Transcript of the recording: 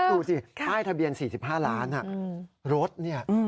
คุณคิดดูสิถ้าให้ทะเบียน๔๕ล้านรถเนี่ย